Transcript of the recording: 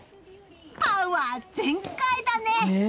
パワ−全開だね！